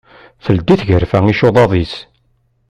Teldi tgarfa icuḍaḍ-is.